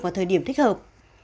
vào thời điểm thích hợp